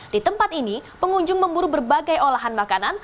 di tempat ini pengunjung memburu berbagai olahan makanan